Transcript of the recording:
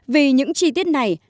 vì những chi tiết này